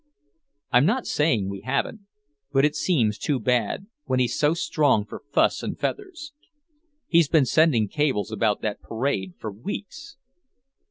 "I'm not saying we haven't. But it seems too bad, when he's so strong for fuss and feathers. He's been sending cables about that parade for weeks."